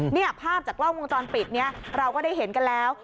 เนี่ยภาพจากกล้องวงจรปิดนี้เราก็ได้เห็นกันแล้ว